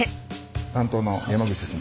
担当の山口です。